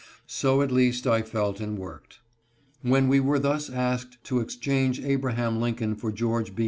So at least I felt and worked. When we were thus asked to exchange Abraham Lincoln for George B.